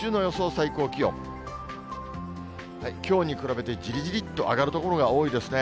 最高気温、きょうに比べてじりじりっと上がる所が多いですね。